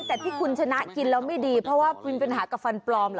แต่ที่คุณชนะกินแล้วไม่ดีเพราะว่ามีปัญหากับฟันปลอมเหรอ